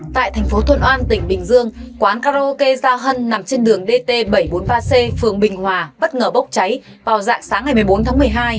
tại thành phố thuận oan tỉnh bình dương quán karaoke gia hân nằm trên đường dt bảy trăm bốn mươi ba c phường bình hòa bất ngờ bốc cháy vào dạng sáng ngày một mươi bốn tháng một mươi hai